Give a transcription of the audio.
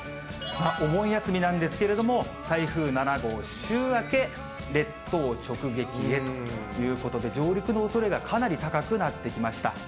お盆休みなんですけれども、台風７号、週明け列島直撃へということで、上陸のおそれがかなり高くなってきました。